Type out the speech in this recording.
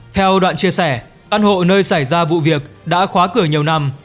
theo đoạn chia sẻ căn hộ nơi xảy ra vụ việc đã khóa cửa nhiều năm